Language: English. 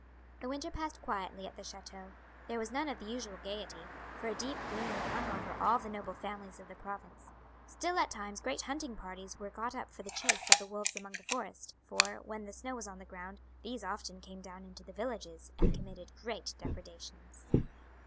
The winter passed quietly at the chateau; there was none of the usual gaiety, for a deep gloom hung over all the noble families of the province; still at times great hunting parties were got up for the chase of the wolves among the forests, for, when the snow was on the ground, these often came down into the villages and committed great depredations.